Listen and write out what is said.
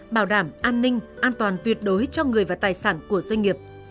bảo đảm an ninh an toàn tuyệt đối cho người và tài sản của doanh nghiệp